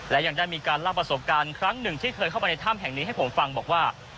และยังได้มีการเล่าประสบการณ์ครั้งหนึ่งที่เคยเข้าไปในถ้ำแห่งนี้ให้ผมฟังบอกว่า